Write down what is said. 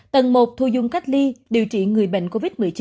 tầng một thu dung cách ly điều trị người bệnh covid một mươi chín